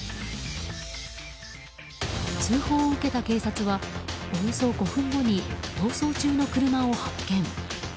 通報を受けた警察はおよそ５分後に逃走中の車を発見。